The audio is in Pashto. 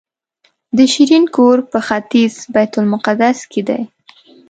د شیرین کور په ختیځ بیت المقدس کې دی.